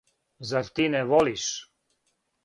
Зар ти не волиш?